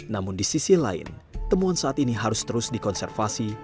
namun di sisi lain temuan saat ini harus terus dikonservasi